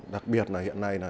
đặc biệt là hiện nay